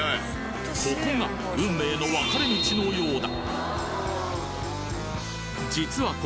ここが運命の分かれ道のようだ！